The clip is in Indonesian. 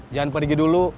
jangan pergi dulu